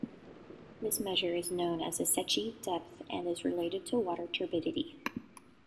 This measure is known as the Secchi depth and is related to water turbidity.